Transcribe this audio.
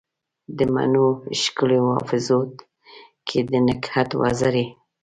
د مڼو ښکلو حافظو کې دنګهت وزرې